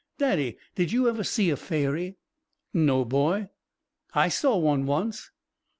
Daddy, did you ever see a fairy?" "No, boy." "I saw one once."